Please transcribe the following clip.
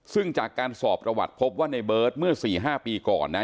ซึ่งจากการสอบประวัติพบว่าในเบิร์ตเมื่อ๔๕ปีก่อนนะ